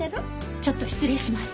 ちょっと失礼します。